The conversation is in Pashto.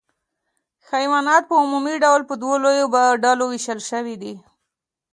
حیوانات په عمومي ډول په دوو لویو ډلو ویشل شوي دي